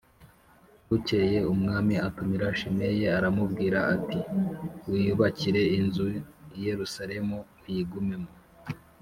Bukeye umwami atumira Shimeyi aramubwira ati “Wiyubakire inzu i Yerusalemu uyigumemo